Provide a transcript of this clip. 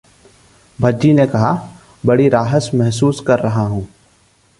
भज्जी ने कहा, बड़ी राहत महसूस कर रहा हूं